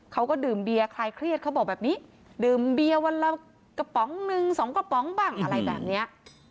เขาก็ดื่มเบียร์คลายเครียดเขาบอกแบบนี้ดื่มเบียวันละกระป๋องหนึ่งสองกระป๋องบ้างอะไรแบบนี้